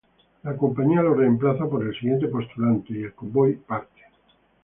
La compañía lo reemplaza por el siguiente postulante, y el convoy parte.